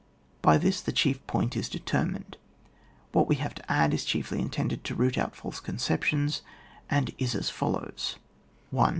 By this the chief point is determined. What we have to add is chiefly intended to root out false conceptions, and is as follows :^ 1.